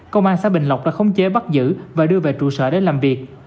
công an xã bình lộc đã khống chế bắt giữ và đưa về trụ sở để làm việc